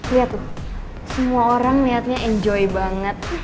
lihat tuh semua orang melihatnya enjoy banget